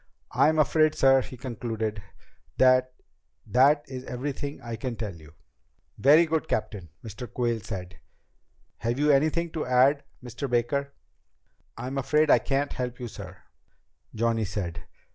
I'm afraid, sir," he concluded, "that that is everything I can tell you." "Very good, Captain," Mr. Quayle said. "Have you anything to add, Mr. Baker?" "I'm afraid I can't help you, sir," Johnny said.